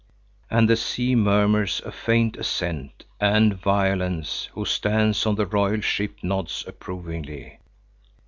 And the sea murmurs a faint assent, and Violence, who stands on the royal ship, nods approvingly.